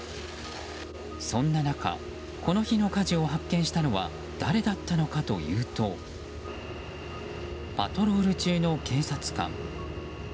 そんな中この日の火事を発見したのは誰だったのかというとパトロール中の警察官。